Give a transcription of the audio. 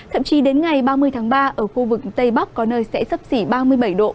thậm chí đến ngày ba mươi tháng ba ở khu vực tây bắc có nơi sẽ sấp xỉ ba mươi bảy độ